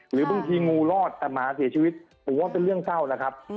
หรือบางทีงูรอดแต่หมาเสียชีวิตผมว่าเป็นเรื่องเศร้าแล้วครับ